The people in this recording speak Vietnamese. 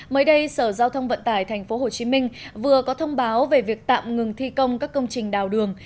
mới đây sở giao thông vận tải thành phố hồ chí minh vừa có thông báo về việc tạm ngừng thi công các công trình đào đường